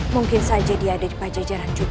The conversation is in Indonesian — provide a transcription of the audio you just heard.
mungkin saja dia ada di pajajaran juga